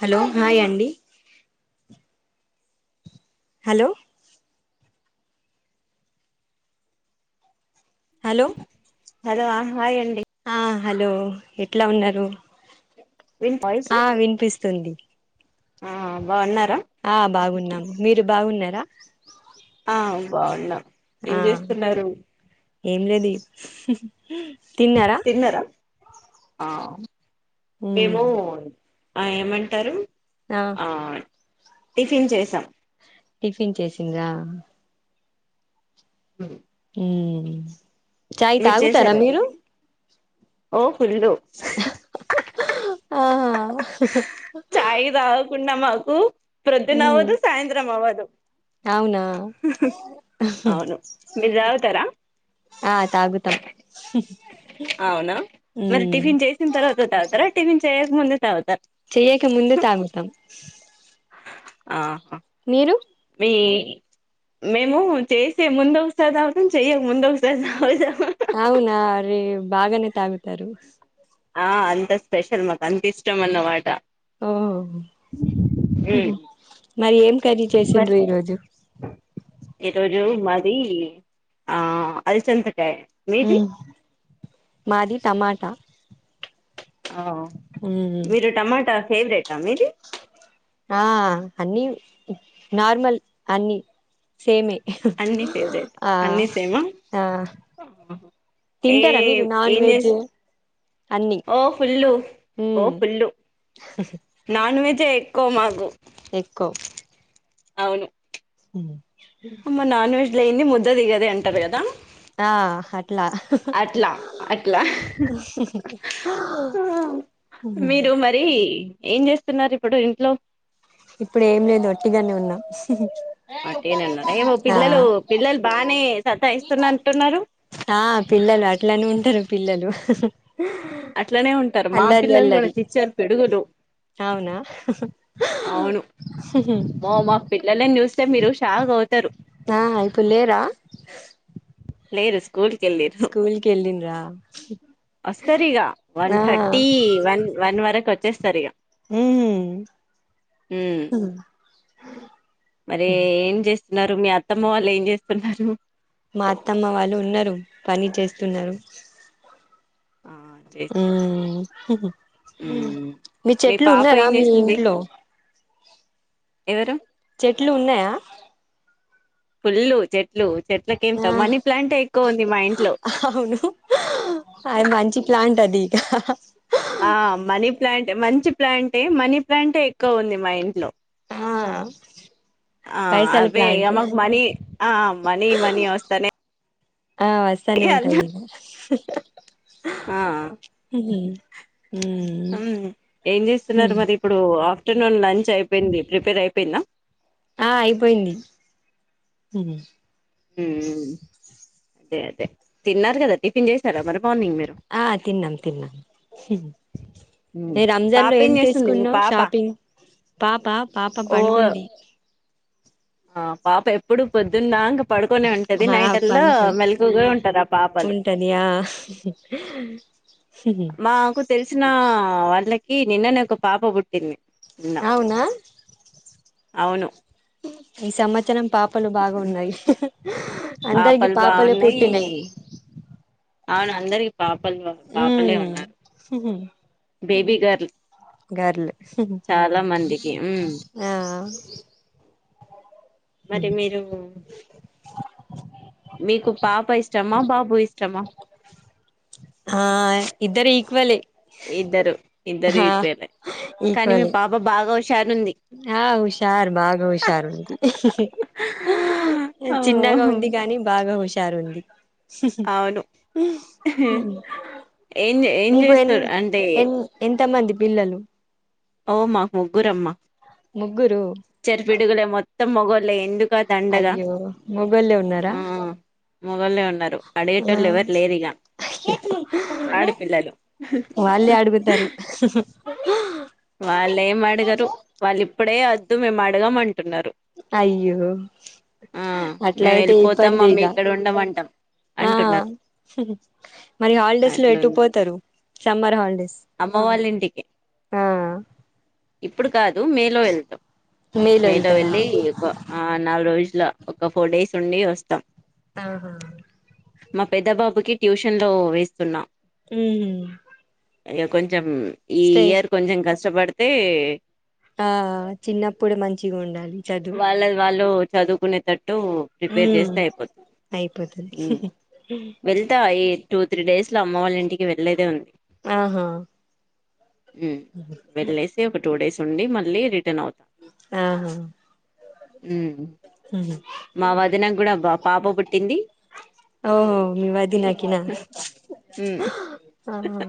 Hello hi అండి hello hello hello hi అండి ఆ హలో ఎట్లా ఉన్నారు విన్ వాయిస్ ఆ వినిపిస్తుంది ఆ బాగున్నా ఆ బాగున్నాము మీరు బాగున్నారా ఆ బాగున్నాం ఏం ఆ చేస్తున్నారు ఏం లేదు తిన్నారా ఆ ఉమ్ మేము ఆ ఏమంటారు ఆ టిఫిన్ చేసాం టిఫిన్ చేసిండ్ర ఉ ఊ చాయ్ మీరు తాగుతారా చేసారా మీరు టిఫిన్ ఓ ఫుల్ ఆ చాయ్ తాగకుండా మాకు ప్రొద్దున ఉమ్ అవ్వదు సాయంత్రం అవ్వదు అవునా అవును మీరు తగుతారా ఆ తాగుతాం అవునా మరి ఉమ్ టిఫిన్ చేసిన తర్వాత తాగుతారా టిఫిన్ చేయక ముందే తాగుతా చెయ్యక ముందే తగుతాం ఆ మీ మేము చేసే ముందు ఒకసారి తగుతాం చెయక ముందు ఒకసారి తగుతాం అవునా రే బాగానే తగుతారు ఆ అంత స్పెషల్ మాకు అంత ఇష్టం అన్నవాట ఆ మ్ హు ఉమ్ మీరేం కర్రీ చేసిండ్రు ఈరోజు ఈ రోజు మాది ఆ అలసందకాయ మ్ మాది టమాటా అవ్ ఉమ్ మీరు టమాటా ఫేవరెటా మీది ఆ అన్ని నార్మల్ అన్ని సేమే అన్ని ఫేవరెట్ ఆ అన్ని సేమా ఆ ఆహా తింటారా మీరు ఏం నాన్ ఏం వెజ్ చేస్తూ అన్ని ఓ ఫుల్లు ఓ ఉమ్ ఫుల్లు నాన్ వెెజే ఎక్కువ మాకు ఎక్కువ్ అవును మ్ అమ్మ నాన్ వెజ్ లేంది ముద్ద దిగది అంటారు కదా ఆ హట్ అట్ల అట్లా అట్లా ఆ మీరు మరి ఏం చేస్తున్నారు ఇప్పుడు ఇంట్లో ఇప్పుడు ఏం లేదు ఒట్టిగానే ఉన్నా ఒట్టిగనే ఉన్నార ఏమో పిల్లలు పిల్లలు బాగానే సతాయిస్తున్నట్టు ఉన్నారు. ఆ పిల్లలు అట్లనే ఉంటారు పిల్లలు అట్లనే ఉంటారు మా అల్లరి పిల్లలు కూడా అల్లరి చిచ్చర పిడుగులు అవునా అవును వామ్మో మా పిల్లలని చూస్తే మీరు షాక్ అవుతారు. ఆహా! ఇప్పుడు లేరా లేరు స్కూల్ కి స్కూల్ కెళ్ళిండ్రా వస్తారిగ వన్ థర్టీ వన్ వన్ వరకు వచ్చేస్తారిగ మ్మ్ ఉమ్ మ్ మరి ఏం చేస్తున్నారు. మీ అత్తమ్మ వాళ్ళు ఏం చేస్తున్నారు. మా అత్తమ్మ వాళ్ళు ఉన్నరు. పని చేస్తున్నారు. ఆ చేస్తున్నారా మ్ ఉమ్ మీ చెట్లు పాప ఉన్నాయా ఏం మీ చేసింది ఇంట్లో ఎవరు చెట్లు ఉన్నాయా ఫుల్లు చెట్లు చెట్లకేంత ఆ మనీ ప్లాంటే ఎక్కువ ఉంది మా ఇంట్లో అవును అది మంచి ప్లాంట్ అది ఆ మనీ ప్లాంట్ మంచి ప్లాంటే మనీ ప్లాంటే ఎక్కువ ఉంది మా ఇంట్లో ఆ ఆ పైసల అవ్వే ఇగ ప్లాంట్ మాకు మనీ ఆ మనీ మనీ వస్తనే ఆ వస్తానే ఉంటదిగ మ్. ఆ హు మ్ ఏం చేస్తున్నారు మరి ఇప్పుడు ఆఫ్ ఫ్టర్నూన్ లంచ్ అయిపోయింది ప్రిపేర్ అయిపోయింద ఆ అయిపోయింది. మ్ హు మ్మ్ అదే అదే తిన్నార్ గదా టిఫిన్ చేసారా మరి మార్నింగ్ మీరు ఆ తిన్నాం తిన్నాం. మ్ మీ రంజాన్ పాప లో ఏం చేస్తుంది మీ తీసుకున్నావ్ పాప షాపింగ్ పాప పాప ఓ పండుకుంది. ఆ పాప ఎప్పుడు పోద్దున్దాంకా పడుకొనే ఉంటది ఆ నైట్ల్లో పండుకుని మెలుకువగే ఉంటది ఆ పాపలు ఉంటది ఆ మాకు తెలిసిన వాళ్ళకి నిన్ననే ఒక పాప పుట్టింది. నిన్న అవున అవును ఈ సంవత్సరం పాపలు బాగా ఉన్నాయి అందరికి పాపలు పాపలే బాగున్నాయి పుట్టినయి అవును అందరికి పాపలు పాపలే ఉన్నారు బేబీ గర్ల్ గర్ల్ చాలా మందికి ఉమ్ ఆ మరి మీరు మీకు పాప ఇష్టమా బాబు ఇష్ట ఇష్టమా ఆ ఇద్దరు ఈక్వలే ఇద్దరు ఇద్దరు ఆ ఈక్వలే కానీ మీ ఈక్వలే పాప బాగా వ ఆ హుషారు బాగా హుషారు ఉంది చిన్నగా ఓహ్ ఉంది గాని బాగా హుషారు ఉంది అవును ఏం ఏం మీకు ఎన్ చేస్తారు అంటే ఎం ఎంత మంది పిల్లలు ఓమ్మా ముగ్గురమ్మా ముగ్గురు చిచ్చర పడుగులే మొత్తం మొగోళ్ళే ఎందుక దండగా అయ్యో మొగోళ్ళే ఉన్నారా ఉ మొగోళ్ళే ఉన్నారు ఆ అడిగేటోళ్ళు ఎవరు లేరు ఇగా వాళ్ళే అడుగుతారు వాళ్లు ఏం అడగరు వాళ్ళు ఇప్పుడే వద్దు మేము అడగమంట అయ్యో ఆ అట్లా మేము అయితే వెళ్ళిపోతాం ఇబ్బందే మమ్మీ ఇగ ఇక్కడ ఉండమంటాం ఆ అంటున్నారు మరి హాలిడేస్ లో ఎటు అట్లుంది పోతరు అమ్మ వాళ్ళింటికి ఆ ఇప్పుడు కాదు మే లో వెళ్తాం మే లో వెళ్ళి ఒక ఆ నాలుగు రోజుల ట్లా ఒక ఫోర్ డేస్ ఉండి వస్తాం ఆ హా మా పెద్ద బాబుకిి ట్యూషన్ లో వేస్తున్నా ఊ ఇగా కొంచెం ఈ ఇయర్ కొంచెం కష్టపడితే ఆ చిన్నప్పుడే మంచిగా ఉండాలి చదువు చదువుకునే టట్ డ్ ప్రిపేర్ ఉమ్ చేస్తే అయిపోతుంది అయిపోతది మ్ వెళ్తా ఈ టూ త్రీ డేస్ లో అమ్మ వాళ్ళ ఇంటికి వెళ్లేదే ఉంది ఆ హా మ్ వెళ్ళేసి ఒక టూ డేస్ ఉండి మళ్ళీ రి ఆ హ మ్ మా వదిన గూడా పాప పుట్టింది ఓహో మీ వదినకినా మ్ ఆహా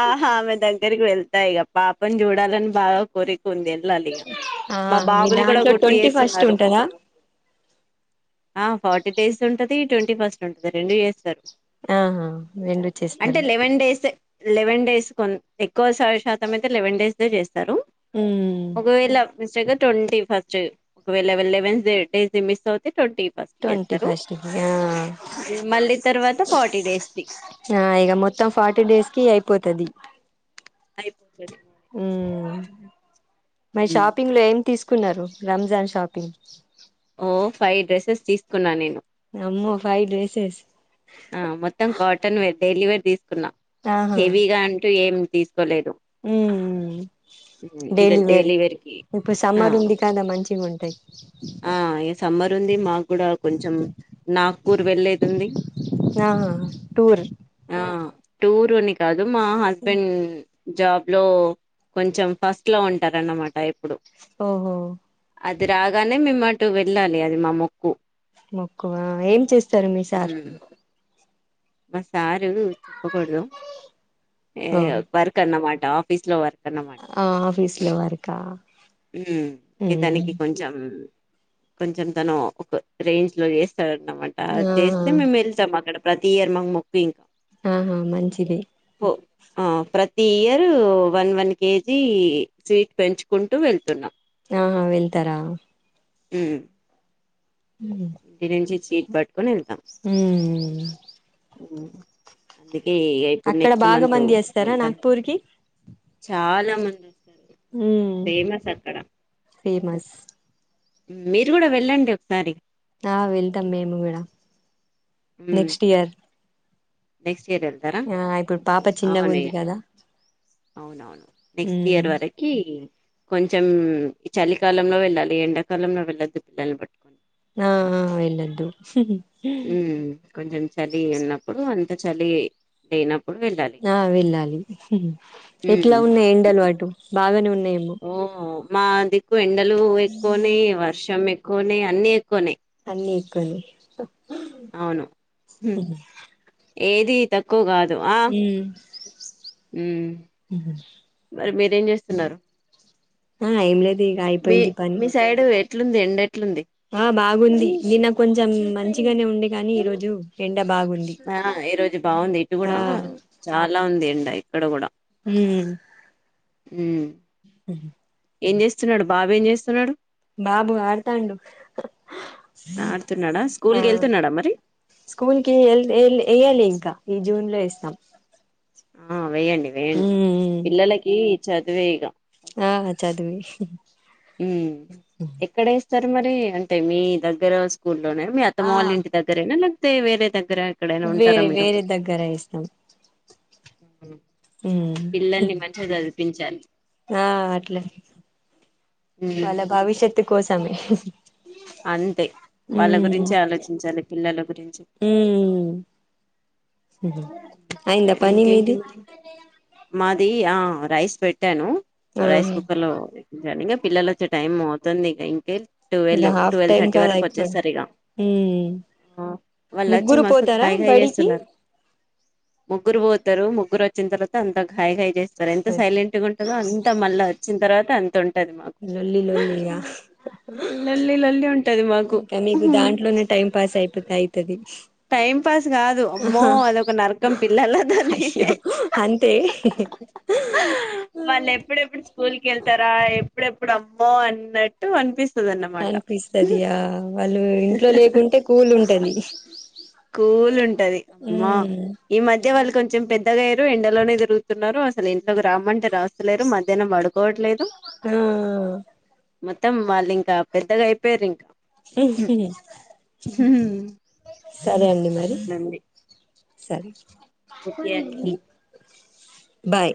ఆ హా ఆమే దగ్ రికి వెళ్తా ఇగా పాపని చూడాలని బాగా కోరి క ఉంది వెళ్ళాలిగా ఆ మా మీ బాబు ని గూడా దాంట్లో గుర్తు ట్వంటీ ఫస్ట్ చేస్తున్నారు ఉంటదా ఆ ఫార్టీ డేస్ ఉంటది ట్వంటీ ఫస్ట్ ఉంటది రెండు చేస్తారు ఆహా రెండు అంటే చేస్తారు లెవెన్ డేసే లెవెన్ డేస్ కొ ఎక్కువ శాతం అయితే లెవెన్ డేస్ దే చేస్త్ స్తారు ఉమ్ ఒకవేళ మిస్టేక్ గా ట్వంటీ ఫస్ట్ చ్ ఒకవేళ లెవెన్ డేస్ ది మిస్ అవుతే ట్వంటీ ఫస్ట్ ట్వంటీ చేస్తరు ఫస్ట్ కి ఆ మళ్ళీ తర్వాత ఫార్టీ డేస్ ది ఆ ఇగా మొత్తం ఫార్టీ డేస్ కి అయిపోతది అయి మ్ మరి షాపింగ్ లో ఏం తీసుకున్నారు రంజాన్ షాపింగ్. ఓ ఫైవ్ డ్రెసెస్ తీసుకున్నాను నేను. అమ్మో ఫైవ్ డ్రెస్సెస్. డెలివేర్ తీసుకున్నా ఆహా హెవీగా అంటూ ఏం తీసుకోలేదు. ఉమ్ డైలీ వేర్ ఇప్పుడు సమ్మర్ ఉంది కాద మంచిగా ఉంటు. ఆహ్ ఈ సమ్మర్ ఉంది. మాకు కూడా కొంచెం నాగపూర్ వెళ్లేది ఉంది. ఆహా. టూర్ టూరు అని కాదు మా హస్బెండ్. జాబ్ లో కొంచెం ఫస్ట్ లో ఉంటారన్నమాట ఎప్పుడు. ఓహో. అది రాగానే మేమ్ అటు వెళ్ళాలి అది మా మొక్కు. మొక్కుహ ఏం చేస్తారు మీ సార్. సా‌ర్ చెప్పుకూడదు వర్క్ అన్న మాట్. ఆఫీస్ లో వర్క్. ఆహ్ ఆఫీస్ లో వర్క్. ఉమ్ తనికి కొంచెం కొంచెం తను ఒక రేంజ్ లో చేస్త్. సర్ అనమాట అది ఆహా చేస్తే మేము వెళ్తాం అక్కడ ప్రతి ఇయర్ మాము. ఆహా మంచిది. ఆహ్ ప్రతి year one one KG sweet పెంచుకుంటూ వెళ్తున్నాం. ఆహ్ వెళ్తారా. ఉమ్. ఇన్నుంచి జీపు పట్కొని వెళ్తాం. ఉమ్. అది. ఇగ ఇప్పుడు అక్కడ నెక్స్ట్ బాగా మంత్ మంది వస్తారా వెళ్తాం నాగ్పూర్ కి చాలా. ఉమ్ ఫేమస్ అక్కడ. ఫేమస్ మీరు కూడా వెళ్ళండి ఒకసారి. ఆహ్ వెళ్తాం మేము కూడా మ్ నెక్స్ట్ ఇయర్. నెక్స్ట్ ఇయర్ వెళ్తారా ఆ ఇప్పుడు పాప చిన్నగా అవునే. ఉంది కదా అవునవును నెక్స్ట్ ఉమ్ ఇయర్ వరకి. కొంచం ఈ చలికాలంలో వెళ్ళాలి ఎండాకాలంలో వెళ్ళొద్దు పిల్లల్ని పట్టుకొని. ఆహ్ ఎళ్లొద్దు. ఉమ్ కొంచెం చలి ఉన్నప్పుడు అంత చలి లేనప్పు. ఆహ్ వెళ్ళాలి. ఎట్లా మ్ ఉన్నాయి ఎండలు అటు బాగానే ఉన్నాయేమో. ఓ మా దిక్కు ఎండలు ఎక్కువున్నాయి. వర్షం ఎక్కువున్నాయి. అన్ని ఎక్కువున్నాయి. నీకాని. అవును ఏది తక్కువ కాదు. ఆహ్ ఉమ్ మరి మీరేం చేస్తుంటారు. ఆహ్ ఏంలేదు. మీ మీ సైడ్ ఎట్లుంది ఎండలు. ఆహ్ బాగుంది నిన్న కొంచెం మంచిగానే ఉండే గాని ఈ రోజు ఎండ్. ఆహ్ ఈ రోజు బాగుంది ఇటు ఆ కూడా చాలా ఉంది ఎండ ఇక్కడ కూడా. ఉమ్మ్. ఉమ్. ఉమ్మ్. ఏం చేస్తున్నాడు బాబు ఏం చేస్తున్నాడు. బాబు ఆడతాండు. ఆడుతున్నాడా స్కూల్ కి ఆహ్ వెళ్తున్నాడా మరి స్కూల్కి ఎల్ ఎల్లే. ఏయ్యాలే ఇంకా ఈ జూన్ లో ఏస్తాం. ఆహ్ వేయండి వేయండి ఉమ్ పిల్లలకి చదువే ఇగా. ఆ చదివి మ్మ్ ఎక్కడేస్తారు మరి అంటే మీ దగ్గర సు స్కూల్లోనే మీ ఆ అత్తమామొల్ల ఇంటి దగ్గరేనా లేకపోతే వేరేదగ్ దగ్గర ఎక్కడైనా ఉంటారా వేరే మీరు వేరే దగ్గర ఇస్తాం పిల్లల్ని మంచిగ చదివిపించాలి ఆ అట్లే మ్మ్ వాళ్ళ భవిష్యత్తు కోసమే అంతే వాళ్ళ ఉమ్ గురించి ఆలోచించాలి పిల్లల గురించి మ్మ్ హ్మ్. అయింద పని ఇంకేంటి మీది మరి మాది ఆ రైస్ పెట్టాను ఆ రైస్ కుక్కర్ లో ఇంగ పిల్లలు వచ్చే టైం తుంది ఇగ ఇంకే ఇక twelve half twelve time thirty కదా వరకు ఇప్పుడు వచ్చేస్తరిగా ఉమ్ ఆ వాళ్ళు వచ్చి ముగ్గురు మస్తు పోతారా కాయ్ కాయ్ బడికి చేస్తున్నారు ముగ్గురు పోతారు ముగ్గురు వచ్చిన తర్వాత అంత కాయ్ కాయ్ చేస్తారు ఎంత సైలెంట్గుంటదో అంత మళ్ళా వచ్చిన తర్వాత అంతున్ లొల్లి లొల్లి ఇగ లొల్లి లొల్లి ఉంటది మాకు ఇంకా మీకు దాంట్లోనే టైం పాస్ అయిపో అయితది టైం పాస్ కాదు అమ్మో అదొక నరకం పిల్లల తోని అయ్యో అంతే వాళ్ళు ఎప్పుడెప్పుడు స్కూల్ కెళ్తరా ఎప్పుడెప్పుడు అమ్మో అన్నట్టు అనిపిస్ అనిపిస్తది ఆ వాళ్ళు ఇంట్లో లేకుంటే కూల్ ఉంటది స్కూల్ ఉంటది అమ్మా ఉమ్ ఈ మధ్య వాళ్ళు కొంచెం పెద్దగయ్యిర్రు ఎండలోనే తిరుగుతున్నారు అసలు ఇంట్లోకి రామ్మంటే రాస్తలేరు మధ్యానం పడు ఆ మొత్తం వాళ్ళు ఇంకా పెద్దగా అయిపోయిర్రు ఇంకా హ్మ్ హ్మ్ సరే అండి మరి సరే ఓకే అండి బాయ్